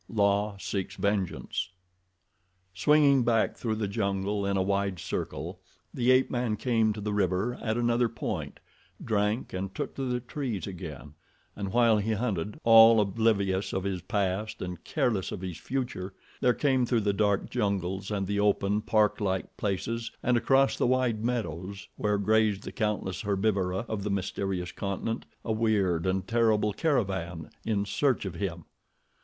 La Seeks Vengeance Swinging back through the jungle in a wide circle the ape man came to the river at another point, drank and took to the trees again and while he hunted, all oblivious of his past and careless of his future, there came through the dark jungles and the open, parklike places and across the wide meadows, where grazed the countless herbivora of the mysterious continent, a weird and terrible caravan in search of him.